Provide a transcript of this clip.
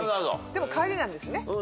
でも帰りなんですね。